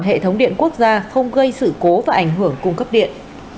hệ thống điện quốc gia không gây sự cố và ảnh hưởng cung cấp điện